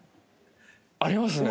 ありますね。